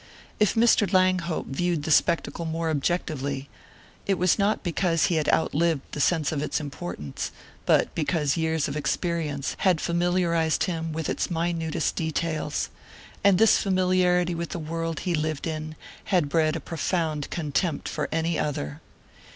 If Mr. Langhope viewed the spectacle more objectively, it was not because he had outlived the sense of its importance, but because years of experience had familiarized him with its minutest details; and this familiarity with the world he lived in had bred a profound contempt for any other.